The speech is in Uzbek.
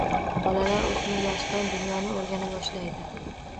Bolalar o‘smir yoshidan dunyoni o‘rgana boshlaydi.